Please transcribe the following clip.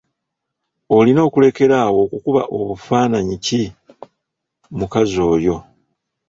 Olina okulekeraawo okukuba obufaananyi ki mukazi oyo.